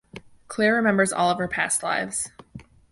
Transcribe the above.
Claire remembers all of her past lives.